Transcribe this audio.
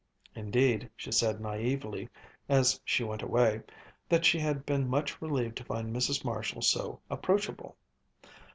Indeed, she said naïvely, as she went away, that she had been much relieved to find Mrs. Marshall so approachable.